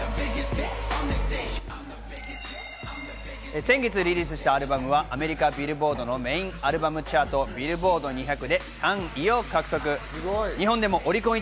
先月リリースしたアルバムはアメリカビルボードのメインアルバムチャート、ビルボード２００で３位を獲得。